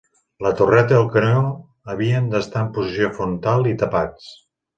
La torreta i el canó havien d'estar en posició frontal i tapats.